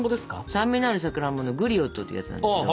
酸味のあるさくらんぼのグリオットっていうやつなんですけど。